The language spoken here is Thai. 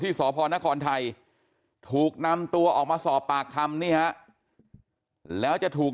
สพนครไทยถูกนำตัวออกมาสอบปากคำนี่ฮะแล้วจะถูก